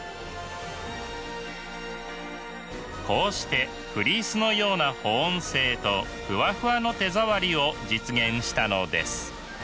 こうしてフリースのような保温性とふわふわの手触りを実現したのです。